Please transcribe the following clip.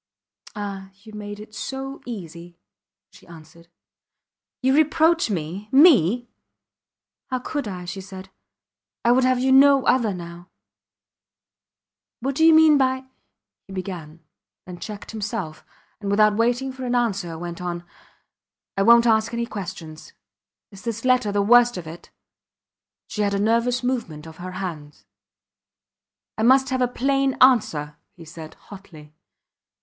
Ah! You made it so easy, she answered. You reproach me me! How could I? she said; I would have you no other now. What do you mean by ... he began, then checked himself, and without waiting for an answer went on, I wont ask any questions. Is this letter the worst of it? She had a nervous movement of her hands. I must have a plain answer, he said, hotly.